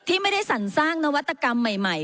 ที่ไม่ได้สรรสร้างนวัตกรรมใหม่